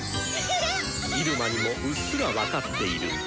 入間にもうっすら分かっている。